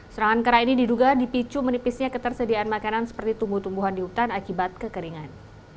serangan kera ini diduga dipicu menipisnya ketersediaan makanan seperti tumbuh tumbuhan di hutan akibat kekeringan